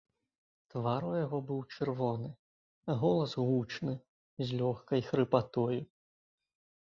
Твар у яго быў чырвоны, а голас гучны, з лёгкай хрыпатою.